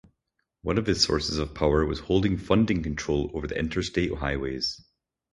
One of his sources of power was holding funding control over the interstate highways.